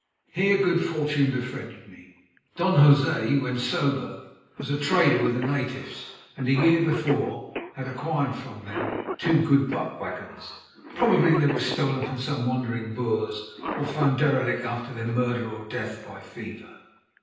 Here good fortune befriended me. Don José, when sober, was a trader with the natives, and a year before had acquired from them two good buck wagons. Probably they were stolen from some wandering Boers or found derelict after their murder or death by fever.